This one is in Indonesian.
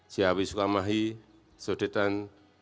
ciawi sukamahi sodetan